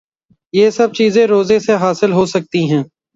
یہ سب چیزیں روزے سے حاصل ہو سکتی ہیں